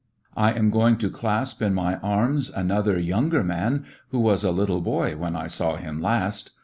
I am going to clasp in my arms another, younger man who was a little boy when I saw him last.